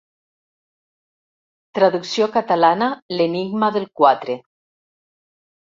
Traducció catalana L'enigma del quatre.